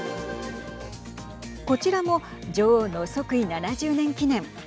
こちらも女王の即位７０年記念。